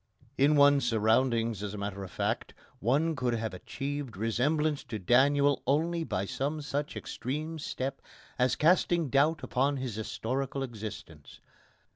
In one's surroundings, as a matter of fact, one could have achieved resemblance to Daniel only by some such extreme step as casting doubt upon his historical existence.